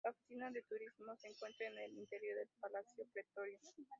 La oficina de turismo, se encuentra en el interior del Palacio Pretorio.